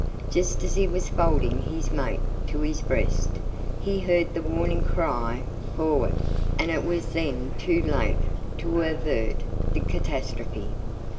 Just as he was folding his mate to his breast, he heard the warning cry for'ard, and it was then too late to avert the catastrophe.